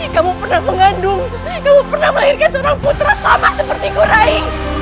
kamu pernah mengandung kamu pernah melahirkan seorang putra sama sepertiku rai